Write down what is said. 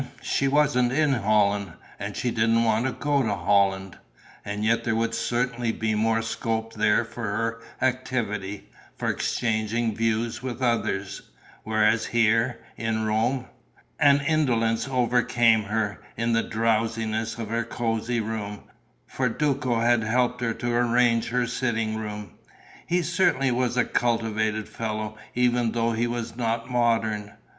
She wasn't in Holland and she didn't want to go to Holland; and yet there would certainly be more scope there for her activity, for exchanging views with others. Whereas here, in Rome.... An indolence overcame her, in the drowsiness of her cosy room. For Duco had helped her to arrange her sitting room. He certainly was a cultivated fellow, even though he was not modern.